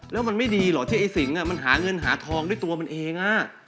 แล้วมันไม่ดีเหรอที่ไอ้สิงมันหาเงินหาทองด้วยตัวมันเอง